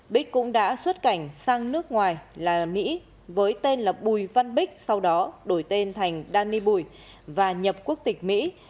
bích cũng đã xuất cảnh sang nước ngoài là mỹ với tên là bùi văn bích sau đó đổi tên thành dani bùi và nhập quốc tịch mỹ